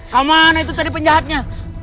kemana itu tadi penjahatnya